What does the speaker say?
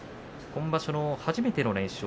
今場所の初めての連勝